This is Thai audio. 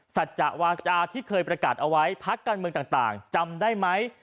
สัจจะวาจาที่เคยประกาศเอาไว้พักการเมืองต่างจำได้ไหม